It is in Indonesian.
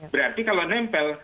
berarti kalau nempel